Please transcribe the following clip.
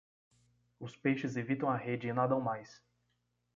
Os peixes evitam a rede e nadam mais.